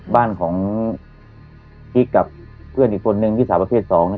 บ้านของกิ๊กกับเพื่อนอีกคนนึงที่สาวประเภทสองเนี่ย